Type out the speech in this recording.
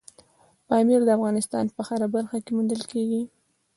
پامیر د افغانستان په هره برخه کې موندل کېږي.